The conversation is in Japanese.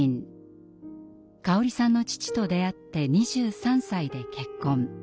香織さんの父と出会って２３歳で結婚。